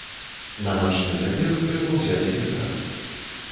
На начны забег трэба ўзяць ліхтар.